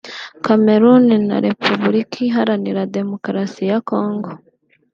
Cameroon na Repubulika Iharanira Demokarasi ya Congo